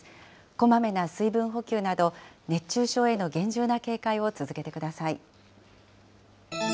こまめな水分補給など、熱中症への厳重な警戒を続けてください。